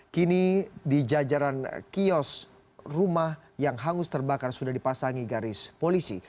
kini di jajaran kios rumah yang hangus terbakar sudah dipasangi garis polisi